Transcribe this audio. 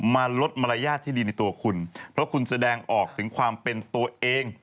มาลดมารยาทที่ดีในตัวคุณเพราะคุณแสดงออกถึงความเป็นตัวเอง